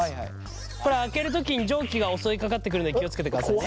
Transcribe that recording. これ開ける時に蒸気が襲いかかってくるので気を付けてくださいね。